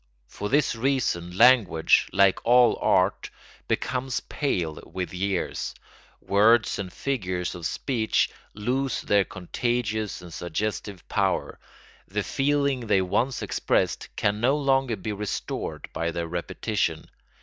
For this reason language, like all art, becomes pale with years; words and figures of speech lose their contagious and suggestive power; the feeling they once expressed can no longer be restored by their repetition.